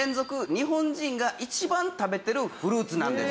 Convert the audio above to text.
日本人が一番食べてるフルーツなんです。